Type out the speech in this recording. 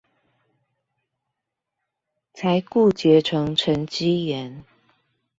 才固結成沈積岩